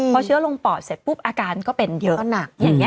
พอเชื้อลงปอดเสร็จปุ๊บอาการก็เป็นเยอะ